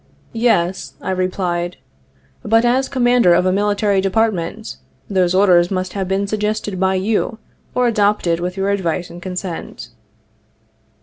' Yes/ I replied, ' but, as Commander of a Military Department, those orders must have been suggested by you, or adopted with your advice and consent.'